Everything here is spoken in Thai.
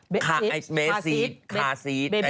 เบบีซีด